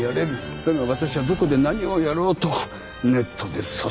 だが私はどこで何をやろうとネットで「笹川」呼ばわり。